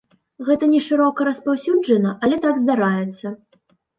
Гэта не шырока распаўсюджана, але так, здараецца.